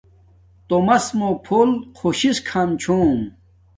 تومس موہ پھول خوشس کھام چھوم